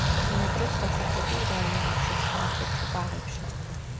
ბინადრობს დასახლებულ რაიონებშიც, პარკებში, ბაღებში.